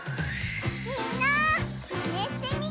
みんなマネしてみてね！